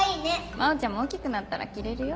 真央ちゃんも大きくなったら着れるよ。